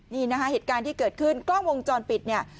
นี่นะคะเหตุการณ์ที่เกิดขึ้นกล้องวงจรปิดเนี่ย